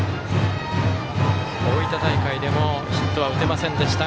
大分大会でもヒットは打てませんでした。